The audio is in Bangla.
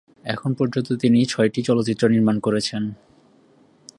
এখন পর্যন্ত তিনি ছয়টি চলচ্চিত্র নির্মাণ করেছেন।